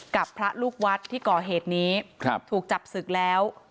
กับพระลูกวัดที่ก่อเหตุนี้ถูกจับศึกแล้ว